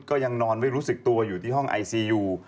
ก็ยังนอนไม่รู้สึกตัวอยู่ที่ห้องไอซียู